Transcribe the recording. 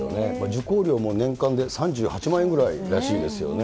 受講料も年間で３８万円ぐらいらしいですよね。